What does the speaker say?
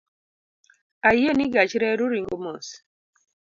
Ayie ni gach reru ringo mos